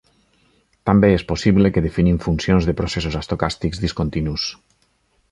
També és possible que definim funcions de processos estocàstics discontinus.